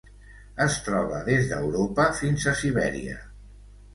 Es troba des d'Europa fins a Sibèria.